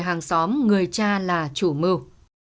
hàng xóm người cha là chủ mưu